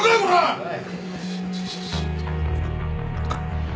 はい！